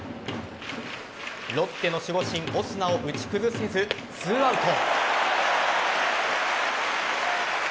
ロッテの守護神・オスナを打ち崩せず２アウト。